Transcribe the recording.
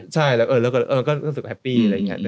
ใช่แล้วก็รู้สึกแฮปปี้